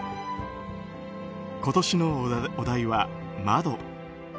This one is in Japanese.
今年のお題は「窓」。